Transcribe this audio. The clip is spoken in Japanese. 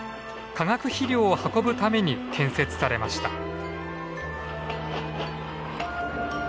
化学肥料を運ぶために建設されました。